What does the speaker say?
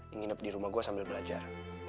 ini nginap di rumah gue sambil belajar